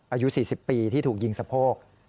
อายุ๔๐ปีที่ถูกยิงสะโพก